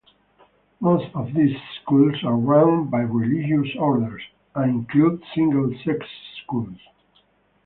Most of these schools are run by religious orders, and include single-sex schools.